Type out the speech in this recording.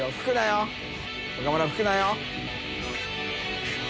岡村吹くなよ。